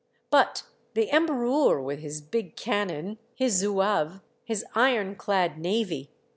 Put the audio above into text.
But the Emberoiir, with his big cannon, his zouaves, his iron clad navy